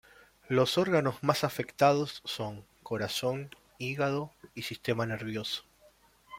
Los órganos más afectados son: corazón, hígado y sistema nervioso.